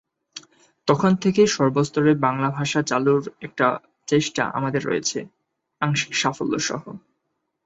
তখন থেকেই সর্বস্তরে বাংলা ভাষা চালুর একটা চেষ্টা আমাদের রয়েছে, আংশিক সাফল্যসহ।